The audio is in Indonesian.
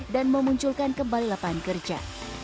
dan memunculkan kembali lapangan kerja